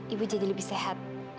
ibu jadi lebih sehat